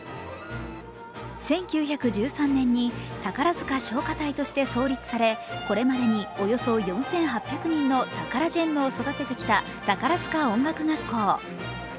１９１３年に宝塚唱歌隊として創立され、これまでにおよそ４８００人のタカラジェンヌを育ててきた宝塚音楽学校。